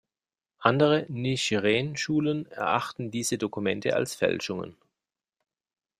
Andere Nichiren-Schulen erachten diese Dokumente als Fälschungen.